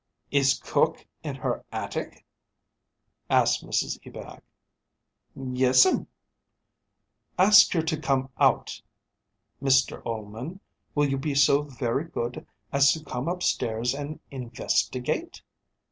"Is cook in her attic?" asked Mrs Ebag. "Yes'm." "Ask her to come out. Mr Ullman, will you be so very good as to come upstairs and investigate?"